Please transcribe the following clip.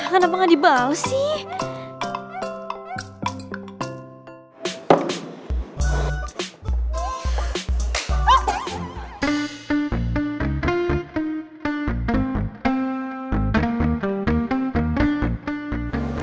kenapa gak dibalas sih